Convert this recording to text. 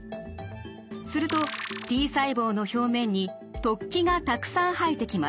するとＴ細胞の表面に突起がたくさん生えてきます。